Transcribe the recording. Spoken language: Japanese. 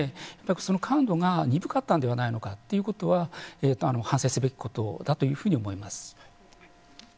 その感度が鈍かったのではないのかということは反省すべきことだというふうに思います。